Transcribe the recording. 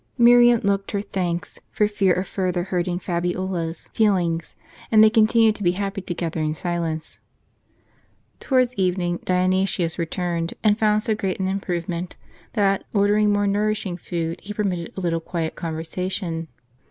Miriam looked her thanks, for fear of further hurting Fabiola's feelings ; and they continued to be happy together in silence. Towards evening Dionysius returned, and found so great an improvement, that, ordering more nourishing food, he per mitted a little quiet conversation.